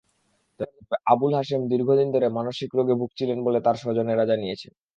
তবে আবুল হাসেম দীর্ঘদিন ধরে মানসিক রোগে ভুগছিলেন বলে তাঁর স্বজনেরা জানিয়েছেন।